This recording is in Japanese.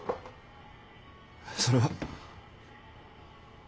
それは。